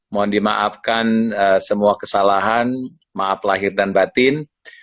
mohon dimaafkan semua kesalahan maaf lahir dan batin